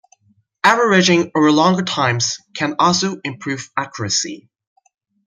Averaging over longer times, can also improve accuracy.